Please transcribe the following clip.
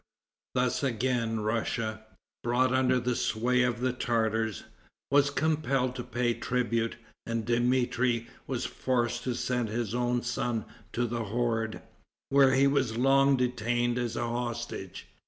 Thus again Russia, brought under the sway of the Tartars, was compelled to pay tribute, and Dmitri was forced to send his own son to the horde, where he was long detained as a hostage.